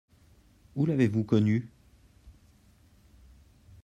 Où l'avez-vous connue ?